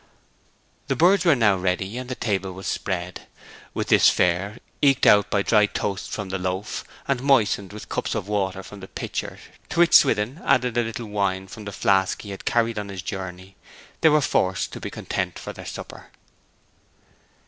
The birds were now ready, and the table was spread. With this fare, eked out by dry toast from the loaf, and moistened with cups of water from the pitcher, to which Swithin added a little wine from the flask he had carried on his journey, they were forced to be content for their supper.